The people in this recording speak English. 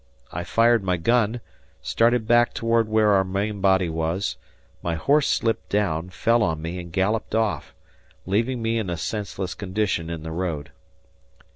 I fired my gun, started back toward where our main body were, my horse slipped down, fell on me, and galloped off, leaving me in a senseless condition in the road.